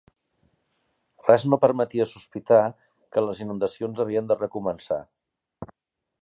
Res no permetia de sospitar que les inundacions havien de recomençar.